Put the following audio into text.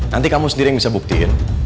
nanti kamu sendiri yang bisa buktiin